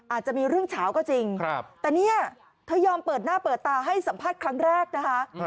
อาจจะมีเรื่องเฉาก็จริงแต่เนี่ยเธอยอมเปิดหน้าเปิดตาให้สัมภาษณ์ครั้งแรกนะคะ